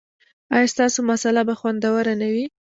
ایا ستاسو مصاله به خوندوره نه وي؟